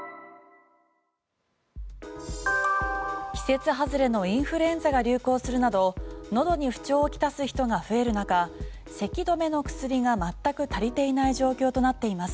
季節外れのインフルエンザが流行するなどのどに不調をきたす人が増える中せき止めの薬が全く足りていない状況となっています。